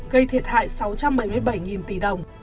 gây thiệt hại sáu trăm bảy mươi bảy tỷ đồng